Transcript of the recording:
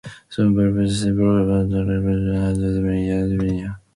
Soon, violence broke out against Armenians in Azerbaijan and Azeris in Armenia.